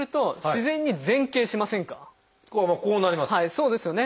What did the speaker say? そうですよね。